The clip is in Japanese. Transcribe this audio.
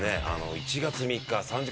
１月３日３時間